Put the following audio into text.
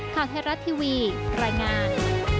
ข่าวเทราะห์ทีวีรายงาน